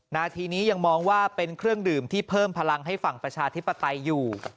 นาทีนี้ยังมองว่าเป็นเครื่องดื่มที่เพิ่มพลังให้ฝั่งประชาธิปไตยอยู่